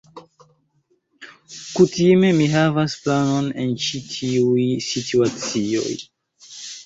Kutime, mi havas planon en ĉi tiuj situacioj.